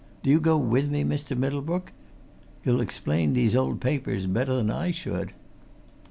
Do you go with me, Mr. Middlebrook? You'll explain these old papers better than I should."